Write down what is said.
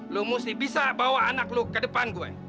lo mesti bisa bawa anak lu ke depan gue